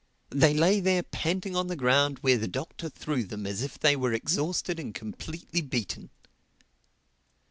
They lay there panting on the ground where the Doctor threw them as if they were exhausted and completely beaten.